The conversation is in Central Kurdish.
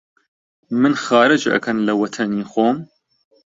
من خارج ئەکەن لە وەتەنی خۆم!؟